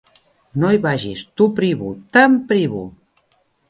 No hi vagis: t'ho privo, te'n privo.